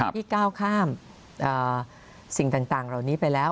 ก้าวข้ามสิ่งต่างเหล่านี้ไปแล้ว